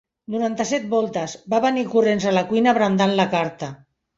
Noranta-set voltes, va venir corrents a la cuina brandant la carta.